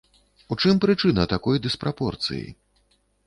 У чым прычына такой дыспрапорцыі?